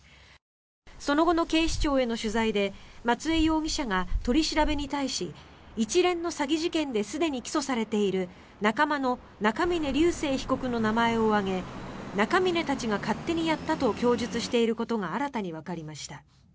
その後の警視庁への取材で松江容疑者が取り調べに対し一連の詐欺事件ですでに起訴されている仲間の中峯竜晟被告の名前を挙げ中峯たちが勝手にやったと供述していることが新たにわかりました。